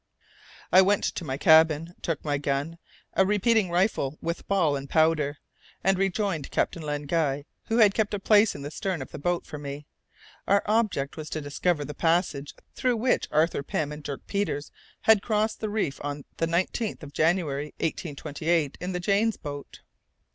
I went to my cabin, took my gun a repeating rifle with ball and powder, and rejoined Captain Len Guy, who had kept a place in the stern of the boat for me. Our object was to discover the passage through which Arthur Pym and Dirk Peters had crossed the reef on the 19th of January, 1828, in the Jane's boat.